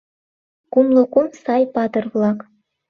Кумло кум сай патыр-влак.